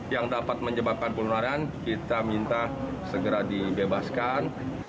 yang dapat menyebabkan penularan kita minta segera dibebaskan